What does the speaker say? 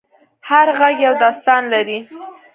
هر غږ یو داستان لري.